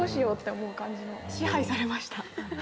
支配されました。